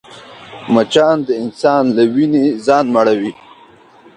مچان د انسان له وینې ځان مړوي